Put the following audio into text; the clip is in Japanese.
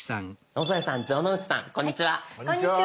野添さん城之内さんこんにちは。